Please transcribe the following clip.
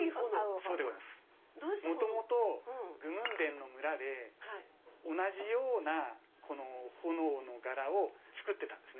元々グムンデンの村で同じような炎の柄を作ってたんです。